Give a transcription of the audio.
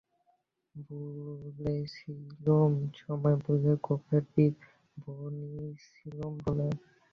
বলেছিলুম, সময় বুঝে গোঁফের বীজ বুনেছিলুম বলে।